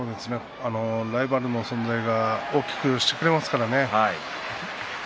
ライバルの存在は大きくしてくれますからね。